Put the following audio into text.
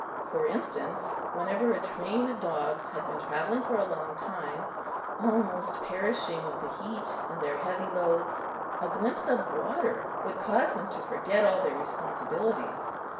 For instance, whenever a train of dogs had been travelling for a long time, almost perishing with the heat and their heavy loads, a glimpse of water would cause them to forget all their responsibilities.